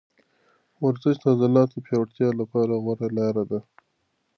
ورزش د عضلاتو د پیاوړتیا لپاره غوره لاره ده.